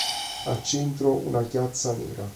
Al centro una chiazza nera.